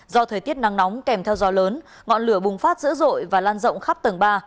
do thời tiết nắng nóng kèm theo gió lớn ngọn lửa bùng phát dữ dội và lan rộng khắp tầng ba